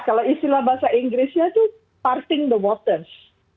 kalau istilah bahasa inggrisnya itu parting the waters